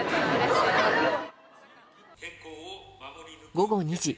午後２時。